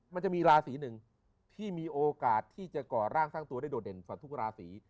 มันจะมีราศีหนึ่งที่มีโอกาสที่จะก่อร่างสร้างตัวได้โดดเด่นกว่าทุกราศี